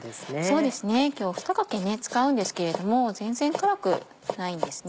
そうですね今日２かけ使うんですけれども全然辛くないんですね。